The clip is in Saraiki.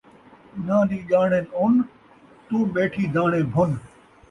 انہاں دی ڄاݨن اُن، توں ٻیٹھی داݨے بھن